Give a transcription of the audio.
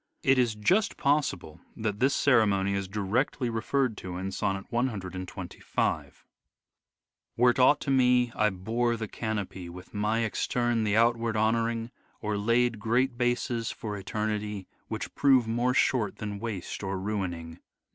It is just possible that this ceremony is directly referred Queen to in sonnet 125 : Elizabeth's funeral. " Were't aught to me I bore the canopy, With my extern the outward honouring, Or laid great bases for eternity, Which prove more short than waste or ruining